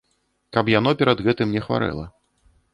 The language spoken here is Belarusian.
Каб яно перад гэтым не хварэла.